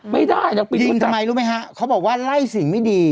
ไม่ได้แต่ปิดทำไมรู้ไหมฮะเขาบอกว่าไล่สิ่งไม่ดี